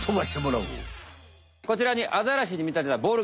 こちらにアザラシにみたてたボールがございます。